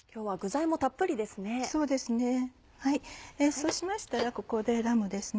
そうしましたらここでラムですね。